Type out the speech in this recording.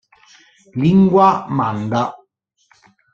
Lingua manda